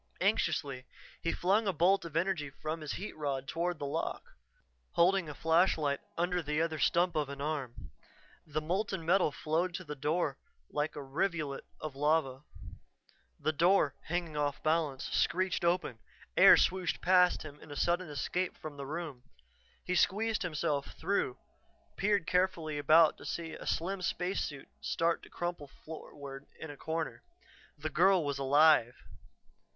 Anxiously he flung a bolt of energy from his heat rod toward the lock, holding a flashlight under the other stump of an arm. The molten metal flowed to the floor like a rivulet of lava. The door, hanging off balance, screeched open; air swooshed past him in its sudden escape from the room. He squeezed himself through, peered carefully about to see a slim spacesuit start to crumple floorward in a corner. The girl was alive!